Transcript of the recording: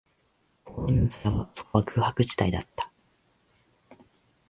公園の砂場、そこは空白地帯だった